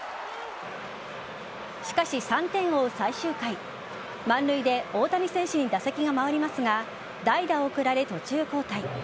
しかし、３点を追う最終回満塁で大谷選手に打席が回りますが代打を送られ、途中交代。